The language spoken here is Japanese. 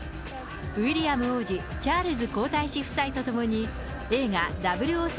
ウィリアム王子、チャールズ皇太子夫妻と共に、映画、００７